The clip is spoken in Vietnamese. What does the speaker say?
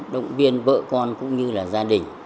động viên vợ con cũng như là gia đình